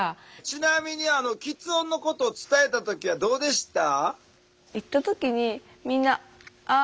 ちなみにきつ音のことを伝えた時はどうでした？